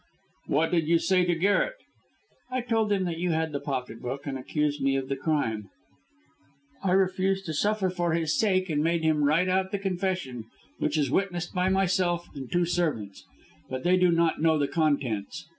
"What did you say to Garret?" "I told him that you had the pocket book, and accused me of the crime. I refused to suffer for his sake, and made him write out the confession, which is witnessed by myself and two servants. But they do not know the contents.